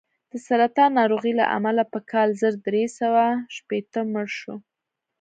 د سرطان ناروغۍ له امله په کال زر درې سوه شپېته مړ شو.